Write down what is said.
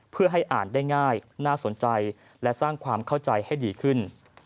เพื่อให้อ่านได้ง่ายน่าสนใจและสร้างความเข้าใจให้ดีขึ้น